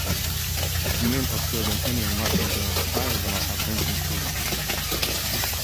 Milne observed an enemy machine gun firing on our advancing troops.